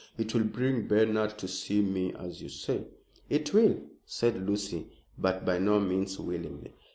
It will bring Bernard to see me, as you say." "It will," said Lucy, but by no means willingly.